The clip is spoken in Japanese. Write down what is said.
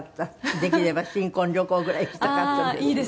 できれば新婚旅行ぐらい行きたかったです。